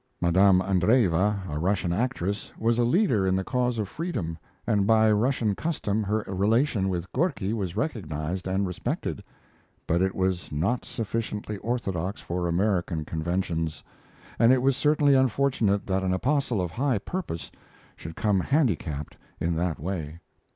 Madame Andreieva, a Russian actress, was a leader in the cause of freedom, and by Russian custom her relation with Gorky was recognized and respected; but it was not sufficiently orthodox for American conventions, and it was certainly unfortunate that an apostle of high purpose should come handicapped in that way.